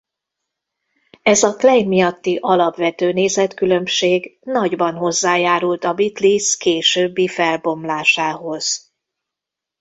Ez a Klein miatti alapvető nézetkülönbség nagyban hozzájárult a Beatles későbbi felbomlásához.